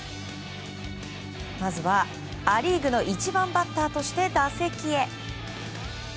まずはア・リーグの１番バッターとして打席へ。